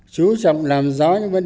chú trọng làm rõ những vấn đề